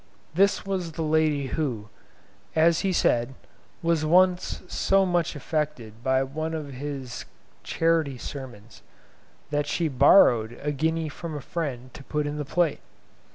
This was the lady who, as he said, was once so much affected by one of his charity sermons, that she borrowed a guinea from a friend to put in the plate.